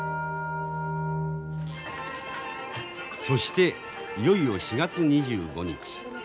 そしていよいよ４月２５日